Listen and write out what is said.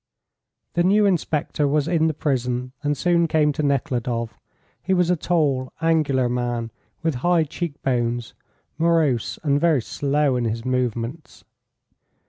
The new inspector was in the prison and soon came to Nekhludoff. He was a tall, angular man, with high cheek bones, morose, and very slow in his movements.